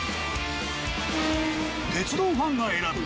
鉄道ファンが選ぶ